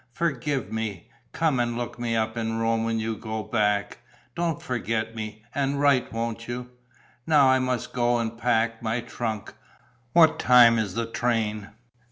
Forgive me. Come and look me up in Rome when you go back. Don't forget me; and write, won't you?... Now I must go and pack my trunk. What time is the train?"